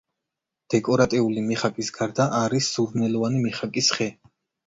დეკორატიული მიხაკის გარდა არის სურნელოვანი მიხაკის ხე.